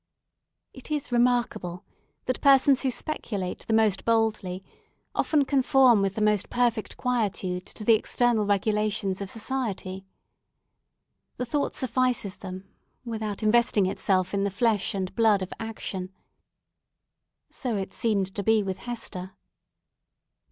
It is remarkable that persons who speculate the most boldly often conform with the most perfect quietude to the external regulations of society. The thought suffices them, without investing itself in the flesh and blood of action. So it seemed to be with Hester.